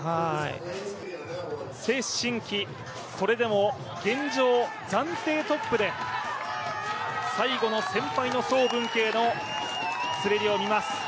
崔宸曦、それでも現状、暫定トップで最後の、先輩の曾文ケイの滑りを見ます。